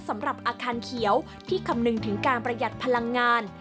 สำหรับอาคารเขียวที่คำนึงถึงการประหยัดพลังงาน